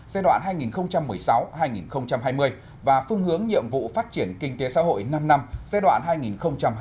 giai đoạn hai nghìn một mươi sáu hai nghìn hai mươi và phương hướng nhiệm vụ phát triển kinh tế xã hội năm năm giai đoạn hai nghìn hai mươi một hai nghìn hai mươi năm